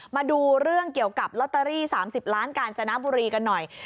มาดูเรื่องเกี่ยวกับลอตเตอรี่๓๐ล้านกาญจนบุรีกันหน่อย